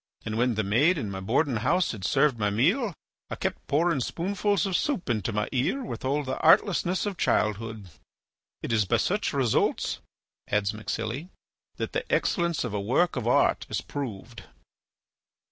And when the maid in my boarding house had served my meal I kept pouring spoonfuls of soup into my ear with all the artlessness of childhood." "It is by such results," adds MacSilly, "that the excellence of a work of art is proved."